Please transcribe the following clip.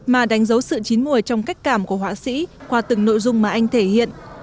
mà đánh dấu sự chín mùi trong cách cảm của họa sĩ qua từng nội dung mà anh thể hiện